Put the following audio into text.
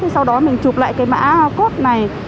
sau đó mình chụp lại cái mã code này